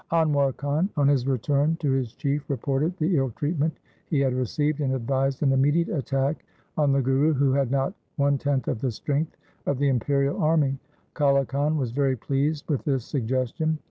Anwar Khan on his return to his Chief reported the ill treatment he had received, and advised an immediate attack on the Guru who had not one tenth of the strength of the imperial army. Kale Khan was very pleased with this suggestion.